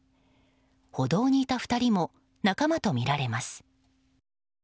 歩道にいた２人も仲間とみられます。